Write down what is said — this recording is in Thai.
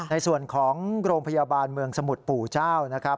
ในส่วนของโรงพยาบาลเมืองสมุทรปู่เจ้านะครับ